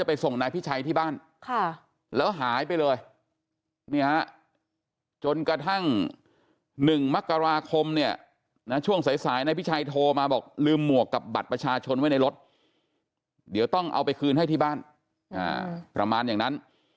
อเจมส์สายไปเลยนี่ฮะจนกระทั่ง๑มกราคมเนี่ยในช่วงสายพี่ชายโทรมาบอกลืมหมวกกับบัตรประชาชนไว้ในรถเดี๋ยวต้องเอาไปคืนให้ที่บ้านประมาณอย่างนั้น